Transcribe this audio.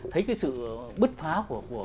thấy cái sự bứt phá của